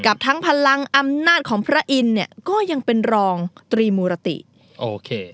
ทั้งพลังอำนาจของพระอินทร์เนี่ยก็ยังเป็นรองตรีมูรติโอเค